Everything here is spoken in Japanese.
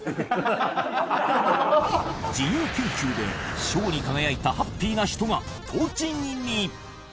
自由研究で賞に輝いたハッピーな人が栃木に。